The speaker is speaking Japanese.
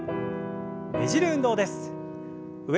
ねじる運動です。